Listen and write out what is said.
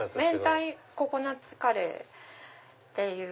明太ココナッツカレーっていう。